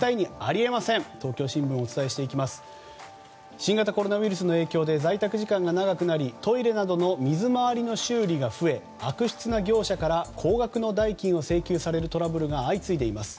新型コロナウイルスの影響で在宅時間が長くなりトイレなどの水回りの修理が増え悪質な業者から高額の代金を請求されるトラブルが相次いでいます。